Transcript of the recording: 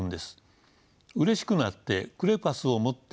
うれしくなってクレパスを持ってきました。